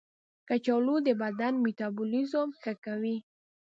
کچالو د بدن میتابولیزم ښه کوي.